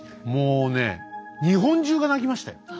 もうね日本中が泣きましたよ。